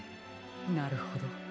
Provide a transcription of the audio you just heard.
なるほど。